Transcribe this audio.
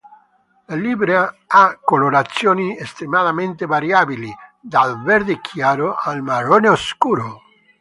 La livrea ha colorazioni estremamente variabili, dal verde chiaro al marrone scuro.